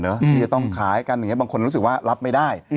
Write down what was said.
ที่จะต้องขายกันอย่างนี้บางคนรู้สึกว่ารับไม่ได้